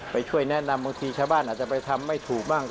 ไปช่วยแนะนำบางทีชาวบ้านอาจจะไปทำไม่ถูกบ้าง